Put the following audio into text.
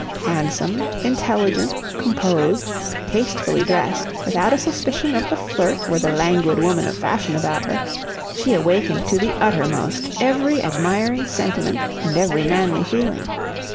Handsome, intelligent, composed, tastefully dressed, without a suspicion of the flirt or the languid woman of fashion about her, she awakened to the uttermost every admiring sentiment and every manly feeling.